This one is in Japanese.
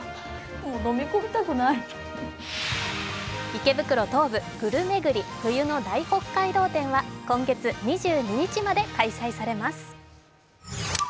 池袋東武、ぐるめぐり冬の大北海道展は今月２２日まで開催されます。